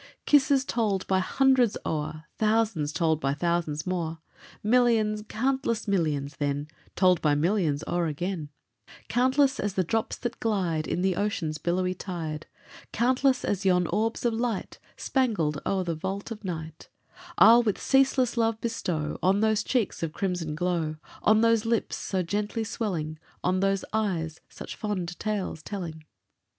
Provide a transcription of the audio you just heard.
Kisses told by hundreds o'er, Thousands told by thousands more, Millions, countless millions, then, Told by millions o'er again; Countless as the drops that glide In the ocean's billowy tide, Countless as yon orbs of light Spangled o'er the vault of night, I'll with ceaseless love bestow On those cheeks of crimson glow, On those lips so gently swelling, On those eyes such fond tales telling.